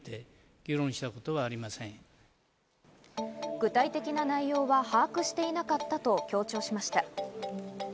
具体的な内容は把握していなかったと強調しました。